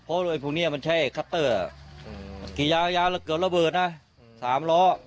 เพราะไอ้พวกนี้มันใช่คัตเตอร์กี่ยาวแล้วเกิดระเบิดนะ๓ล้อ